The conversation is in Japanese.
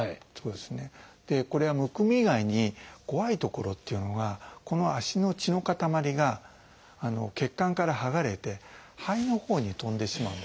これはむくみ以外に怖いところっていうのがこの足の血の塊が血管から剥がれて肺のほうに飛んでしまうんですね。